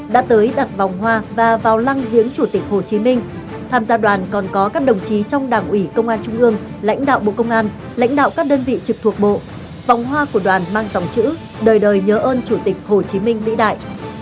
đã tới đặt vòng hoa và vào lăng viếng chủ tịch hồ chí minh tham gia đoàn còn có các đồng chí trong đảng ủy công an trung ương lãnh đạo bộ công an lãnh đạo các đơn vị trực thuộc bộ vòng hoa của đoàn mang dòng chữ đời đời nhớ ơn chủ tịch hồ chí minh vĩ đại